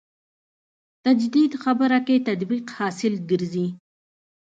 تجدید خبره کې تطبیق حاصل ګرځي.